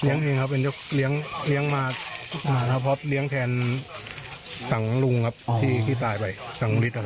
เลี้ยงเองครับเป็นเลี้ยงมาโนธครับเพราะเลี้ยงแทนต่างลุงครับที่ตายไปต่างอุฤษฐ์ครับ